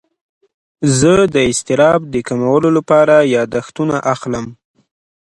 زه د اضطراب د کمولو لپاره یاداښتونه اخلم.